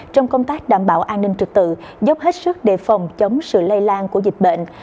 trong công tác đảm bảo an ninh trực tự giúp hết sức đề phòng chống sự lây lan của dịch bệnh